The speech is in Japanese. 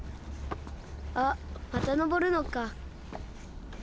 あっまたのぼるのか。